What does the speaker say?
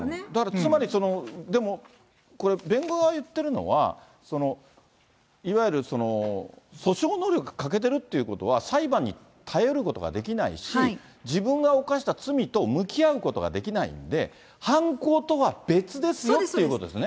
つまり、でも、これ、弁護側が言ってるのは、いわゆる訴訟能力が欠けてるということは、裁判に耐えうることができないし、自分が犯した罪と向き合うことができないんで、犯行とは別ですよっていうことですよね。